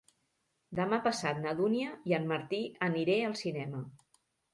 Demà passat na Dúnia i en Martí aniré al cinema.